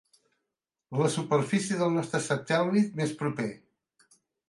La superfície del nostre satèl·lit més proper.